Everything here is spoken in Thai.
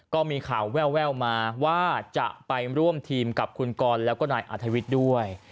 ก็มีข่าวแววมาว่าจะไปร่วมทีมกับคุณกรแล้วก็นายอาธวิทย์ด้วย